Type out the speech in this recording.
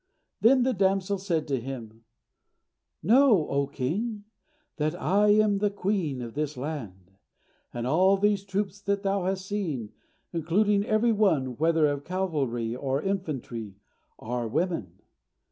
Then the damsel said to him, "Know, O king, that I am the queen of this land, and all these troops that thou hast seen, including every one, whether of cavalry or infantry, are women.